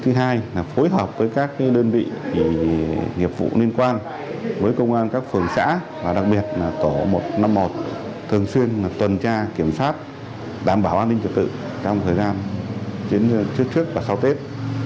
thứ hai là phối hợp với các đơn vị nghiệp vụ liên quan với công an các phường xã và đặc biệt là tổ một trăm năm mươi một thường xuyên tuần tra kiểm soát đảm bảo an ninh trật tự trong thời gian trước và sau tết